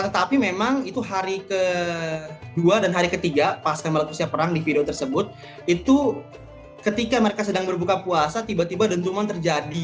tetapi memang itu hari ke dua dan hari ke tiga pas ke enam perang di video tersebut itu ketika mereka sedang berbuka puasa tiba tiba dentuman terjadi